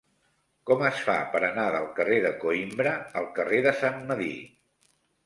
Com es fa per anar del carrer de Coïmbra al carrer de Sant Medir?